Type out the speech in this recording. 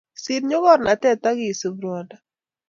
Sir nyokornatet akisub ruondo